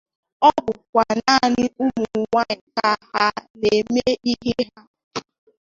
Ọ bụkwanụ naanị ụmụnwaanyị ka a na-eme ihe a